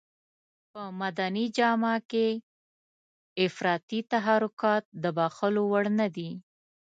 په مدني جامه کې افراطي تحرکات د بښلو وړ نه دي.